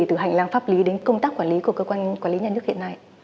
từ hành lang pháp lý đến công tác quản lý của cơ quan quản lý nhà nước hiện nay